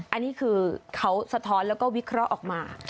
อันนี้คือเขาสะท้อนแล้วก็วิเคราะห์ออกมา